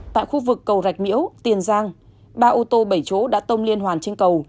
tại khu vực cầu rạch miễu tiền giang ba ô tô bảy chỗ đã tông liên hoàn trên cầu